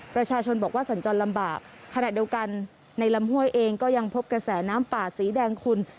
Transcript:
ประชาชนบอกว่าสัญจรลำบากขณะเดียวกันในลำห้วยเองก็ยังพบกระแสน้ำป่าสีแดงคุณ